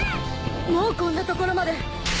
もうこんな所まで！